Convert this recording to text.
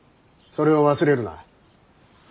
それを忘れるな。